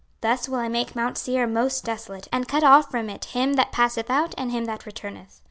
26:035:007 Thus will I make mount Seir most desolate, and cut off from it him that passeth out and him that returneth.